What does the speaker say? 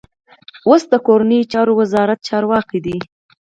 اوس د کورنیو چارو وزارت چارواکی دی.